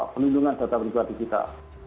perlindungan data pribadi kita